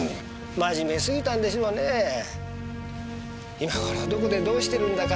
今頃はどこでどうしてるんだか。